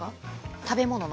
食べ物の。